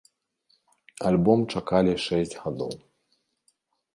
Альбом чакалі шэсць гадоў.